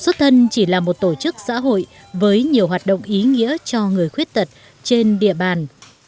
xuất thân chỉ là một tổ chức xã hội với nhiều hoạt động ý nghĩa cho người khuyết tật trên địa bàn